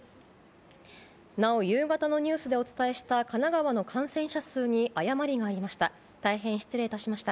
なお夕方のニュースでお伝えした神奈川の感染者数に誤りがありました。